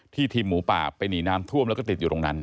ทีมหมูป่าไปหนีน้ำท่วมแล้วก็ติดอยู่ตรงนั้น